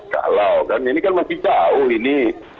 kalau kan ini kan masih jauh ini